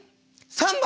３番？